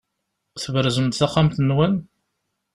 Tberzem-d taxxamt-nwen?